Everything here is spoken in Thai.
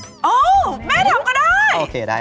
โอ๊ยแม่ทำก็ได้